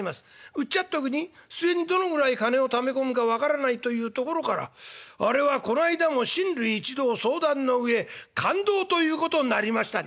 うっちゃっとくに末にどのぐらい金をため込むか分からないというところからあれはこないだも親類一同相談の上勘当ということになりました」。